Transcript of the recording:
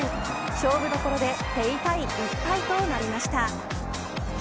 勝負どころで手痛い１敗となりました。